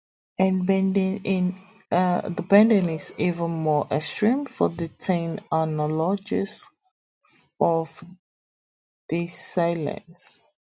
The bending is even more extreme for the tin analogues of disilenes.